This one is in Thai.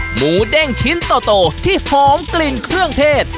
หมูเด้งชิ้นโตที่หอมกลิ่นเครื่องเทศ